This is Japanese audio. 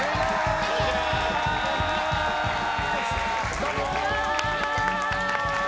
どうも！